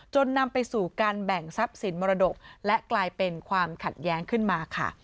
นำไปสู่การแบ่งทรัพย์สินมรดกและกลายเป็นความขัดแย้งขึ้นมาค่ะ